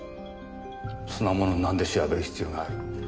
そんなものなんで調べる必要がある？